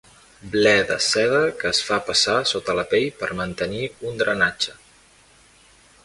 Ble de seda que es fa passar sota la pell per mantenir un drenatge.